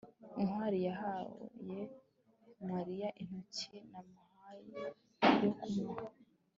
ntwali yahaye mariya inoti namuhaye yo kumuha